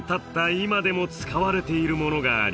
今でも使われているものがあり